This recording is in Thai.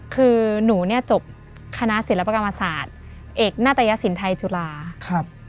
คือหนูเนี่ยจบคณะศิลปกรรมศาสตร์เอกณตยสินไทยจุฬาครับ